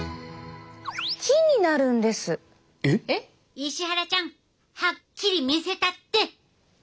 石原ちゃんはっきり見せたって！